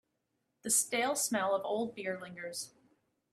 The stale smell of old beer lingers.